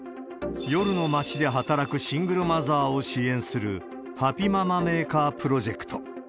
夜の街で働くシングルマザーを支援する、ハピママメーカープロジェクト。